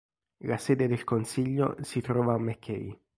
La sede del consiglio si trova a Mackay.